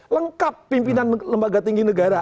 lengkap pimpinan lembaga tinggi negara